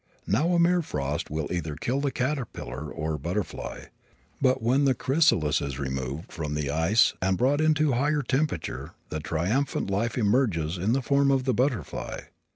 Now a mere frost will kill either caterpillar or butterfly, but when the chrysalis is removed from the ice and brought into a higher temperature the triumphant life emerges in the form of the butterfly.